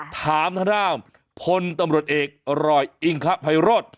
ถามท่านาพลตำรวจเอกรอยอิงคะไพโรธ